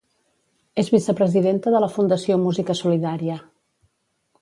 És Vicepresidenta de la Fundació Música Solidària.